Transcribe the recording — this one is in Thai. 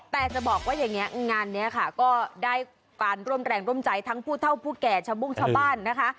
แต่จะบอกว่าอย่างนี้งานนี้ค่ะก็ได้การร่วมแรงร่วมใจทั้งผู้เท่าผู้แก่ชาวบุ้งชาวบ้านนะคะ